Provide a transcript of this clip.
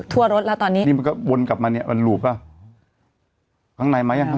ตัวรถแล้วตอนนี้มอยวงกันมาเนี่ยอ่ะหน้าลุกก็